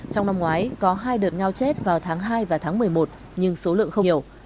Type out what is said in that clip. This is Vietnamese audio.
trong năm ngoái có hai đợt ngao chết vào tháng hai và tháng một mươi một nhưng số lượng không nhiều